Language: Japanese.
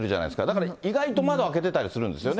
だから意外と窓開けてたりするんですよね。